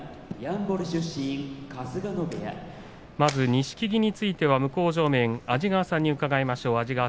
錦木については向正面安治川さんに伺います。